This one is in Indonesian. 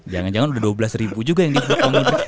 jangan jangan udah dua belas juga yang di blok